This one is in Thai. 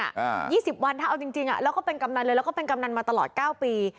ยี่สิบวันถ้าเอาจริงจริงอ่ะแล้วก็เป็นกำนันเลยแล้วก็เป็นกำนันมาตลอดเก้าปี